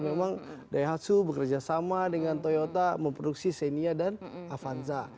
memang daihatsu bekerjasama dengan toyota memproduksi xenia dan avanza